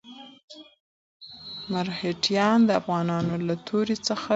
مرهټیان د افغانانو له تورې څخه وېرېدل.